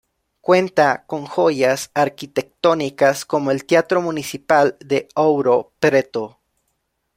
Cuenta con joyas arquitectónicas como el Teatro Municipal de Ouro Preto.